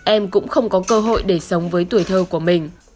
em cũng không có cơ hội để sống với tuổi thơ của mình